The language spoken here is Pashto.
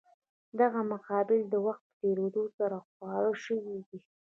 دغه قبایل د وخت په تېرېدو سره خواره شوي دي.